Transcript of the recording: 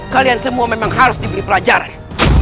kalian semua memang harus diberi pelajaran